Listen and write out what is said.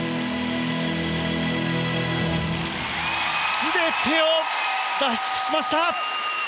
全てを出し尽くしました！